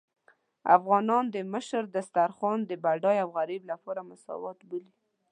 افغانان د مشر دسترخوان د بډای او غريب لپاره مساوات بولي.